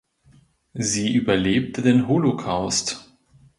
Sie überlebte den Holocaust.